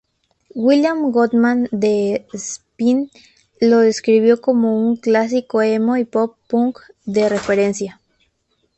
William Goodman, de "Spin", lo describió como un "clásico emo y pop-punk de referencia".